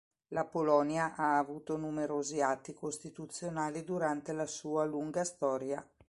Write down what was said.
La Polonia ha avuto numerosi atti costituzionali durante la sua lunga storia.